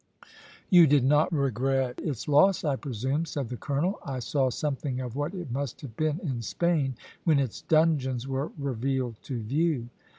"You did not regret its loss, I presume," said the colonel. "I saw something of what it must have been in Spain when its dungeons were revealed to view."